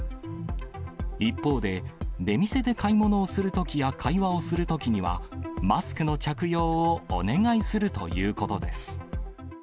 一方で、出店で買い物をするときや、会話をするときには、マスクの着用をお願いするということです。